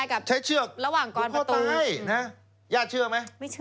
ญาติเชื่อไหม